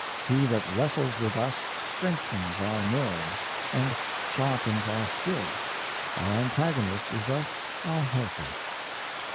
He that wrestles with us strengthens our nerves, and sharpens our skill; our antagonist is thus our helper.".